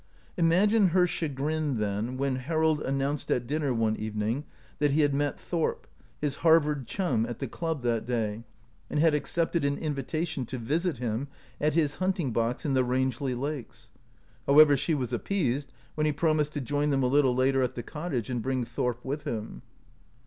Imagine her chagrin, then, when Harold announced at dinner one evening that he had met Thorp, his Harvard chum, at the club that day, and had accepted an invitation to visit him at his hunting box in the Rangeley Lakes. However, she was appeased when he promised to join them a little later at the cottage and bring Thorp with him.